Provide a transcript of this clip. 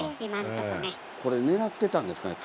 これ、狙ってたんですかね。